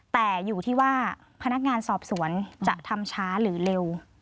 แต่อยู่ที่ว่าพนักงานสอบสวนจะทำช้าหรือเร็ว